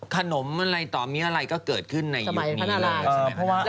ขนมอะไรต่อมีอะไรก็เกิดขึ้นในยุคนี้เลย